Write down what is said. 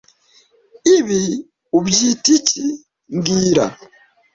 Ibi ubyita iki mbwira